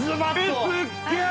すっげえ！！